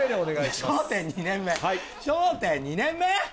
笑点２年目、笑点２年目？